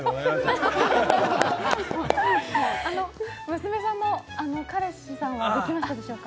娘さん、彼氏さんはできましたでしょうか？